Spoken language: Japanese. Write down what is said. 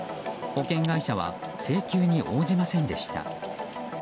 保険会社は請求に応じませんでした。